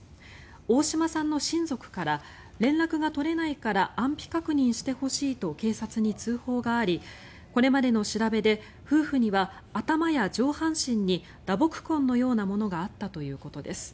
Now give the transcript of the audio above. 大島さんの親族から連絡が取れないから安否確認してほしいと警察に通報がありこれまでの調べで夫婦には頭や上半身に打撲痕のようなものがあったということです。